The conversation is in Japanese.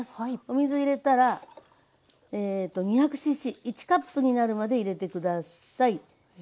お水入れたらえと２００ｃｃ１カップになるまで入れて下さい。